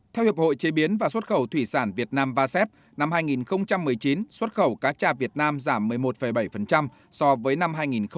theo hiệp hội chế biến và xuất khẩu thủy sản việt nam vasep năm hai nghìn một mươi chín xuất khẩu cá cha việt nam giảm một mươi một bảy so với năm hai nghìn một mươi bảy